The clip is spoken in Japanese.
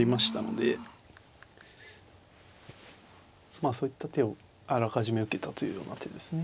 まあそういった手をあらかじめ受けたというような手ですね。